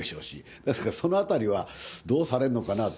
ですから、そのあたりはどうされるのかなと。